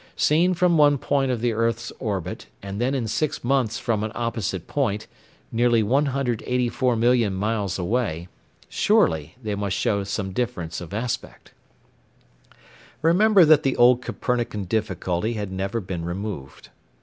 Seen from one point of the earth's orbit, and then in six months from an opposite point, nearly 184 million miles away, surely they must show some difference of aspect. Remember that the old Copernican difficulty had never been removed.